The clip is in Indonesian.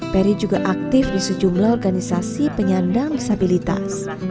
peri juga aktif di sejumlah organisasi penyandang disabilitas